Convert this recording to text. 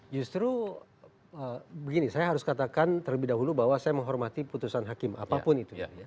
justru begini saya harus katakan terlebih dahulu bahwa saya menghormati putusan hakim apapun itu